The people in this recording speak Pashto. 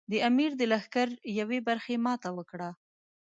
د امیر د لښکر یوې برخې ماته وکړه.